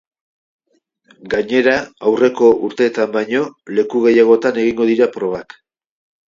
Gainera, aurreko urteetan baino leku gehiagotan egingo dira probak.